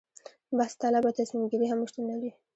بحث طلبه تصمیم ګیري هم شتون لري.